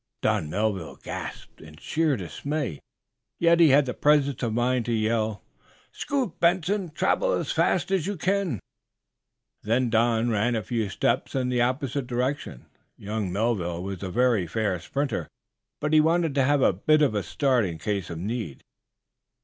Don Melville gasped, in sheer dismay, yet he had the presence of mind to yell: "Scoot, Benson! Travel as fast as ever you can!" Then Don ran a few steps in the opposite direction. Young Melville was a very fair sprinter, but he wanted to have a bit of a start in case of need.